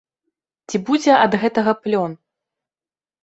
Ці будзе ад гэтага плён?